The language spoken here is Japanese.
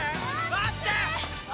待ってー！